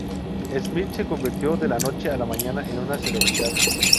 Smith se convirtió de la noche a la mañana en una celebridad.